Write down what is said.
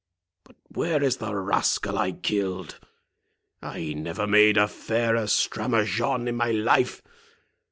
—But where is the rascal I killed?—I never made a fairer stramaçon in my life.